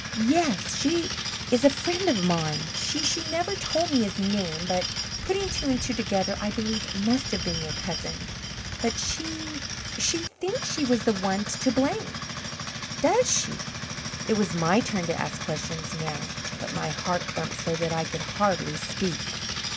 "Yes, she is a friend of mine. She she never told me his name, but putting two and two together, I believe it must have been your cousin. But she she thinks she was the one to blame." "Does she?" It was my turn to ask questions now, but my heart thumped so that I could hardly speak.